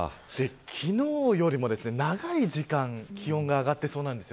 昨日よりも長い時間気温が上がっていそうなんです。